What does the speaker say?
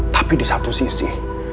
tapi disatu sisi